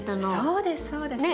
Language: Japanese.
そうですそうです。ね？